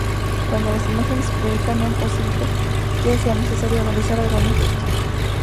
Cuando las imágenes se proyectan es posible que sea necesario realizar algún ajuste.